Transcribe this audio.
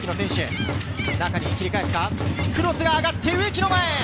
クロスが上がって植木の前。